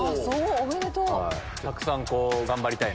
おめでとう！